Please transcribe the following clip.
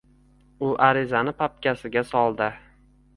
U arizani papkasiga soldi.